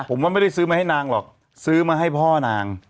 ผมว่าไม่ได้ซื้อมาให้นางหรอกซื้อมาให้พ่อนาง